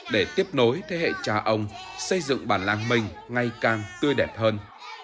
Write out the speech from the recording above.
để tiếp nối thế hệ cha ông xây dựng bản làng mình ngày càng tươi đẹp hơn